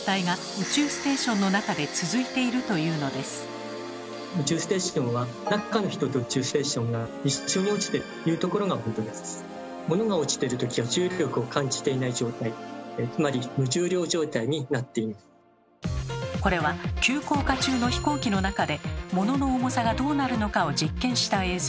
宇宙ステーションは中の人と宇宙ステーションがこれは急降下中の飛行機の中で物の重さがどうなるのかを実験した映像。